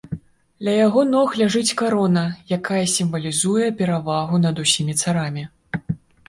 Ля яго ног ляжыць карона, якая сімвалізуе перавагу над усімі царамі.